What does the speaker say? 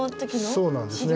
そうなんですね。